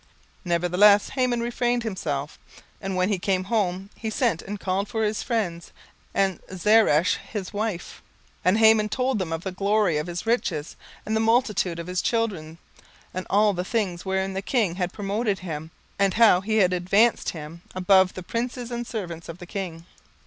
17:005:010 Nevertheless Haman refrained himself: and when he came home, he sent and called for his friends, and Zeresh his wife. 17:005:011 And Haman told them of the glory of his riches, and the multitude of his children, and all the things wherein the king had promoted him, and how he had advanced him above the princes and servants of the king.